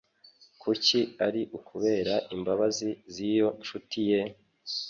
Kuki ari ukubera imbabazi z'iyo ncuti ye?